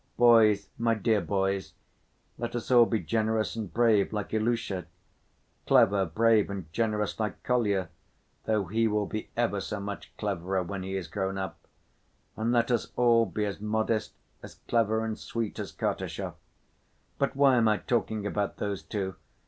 Boys, my dear boys, let us all be generous and brave like Ilusha, clever, brave and generous like Kolya (though he will be ever so much cleverer when he is grown up), and let us all be as modest, as clever and sweet as Kartashov. But why am I talking about those two?